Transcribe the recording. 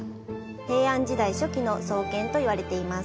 平安時代初期の創建といわれています。